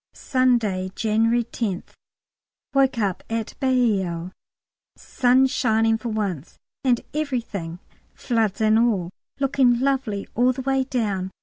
Sunday, January 10th. Woke up at Bailleul, sun shining for once, and everything floods and all looking lovely all the way down.